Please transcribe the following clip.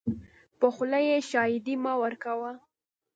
په خوله یې شاهدي مه ورکوه .